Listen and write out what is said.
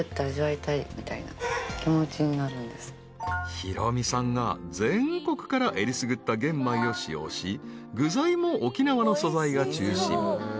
［博美さんが全国からえりすぐった玄米を使用し具材も沖縄の素材が中心］